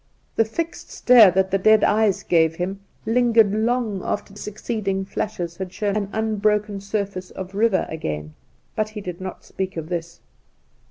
The fixed stare that the dead eyes gave him lingered long after succeeding flashes had shown an unbroken surface of river again. But he did not speak of this.